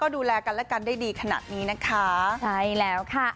ดูแลกันและกันได้ดีขนาดนี้นะคะใช่แล้วค่ะ